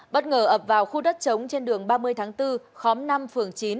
bất ngờ ập vào khu đất trống trên đường ba mươi tháng bốn khóm năm phường chín